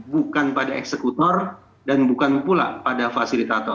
bukan pada eksekutor dan bukan pula pada fasilitator